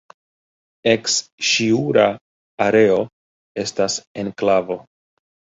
Eks-Ŝiura areo estas enklavo.